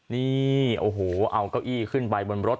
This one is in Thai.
นี่โอ้โหเอาเก้าอี้ขึ้นไปบนรถ